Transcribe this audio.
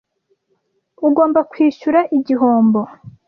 Ugomba kwishyura igihombo.